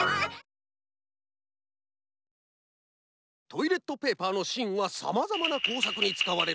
トイレットペーパーのしんはさまざまなこうさくにつかわれる。